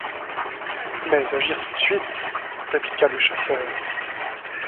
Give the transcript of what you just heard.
Mais agir tout de suite, répliqua le chasseur.